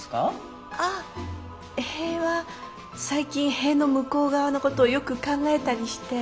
あっ塀は最近塀の向こう側のことをよく考えたりして。